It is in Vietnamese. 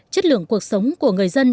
chất lượng cuộc sống của người dân